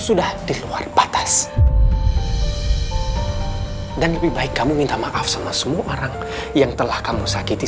sudah di luar batas dan lebih baik kamu minta maaf sama semua orang yang telah kamu sakiti